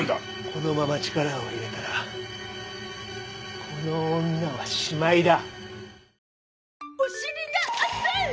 このまま力を入れたらこの女はしまいだ。